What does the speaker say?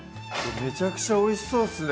めちゃくちゃおいしそうですね。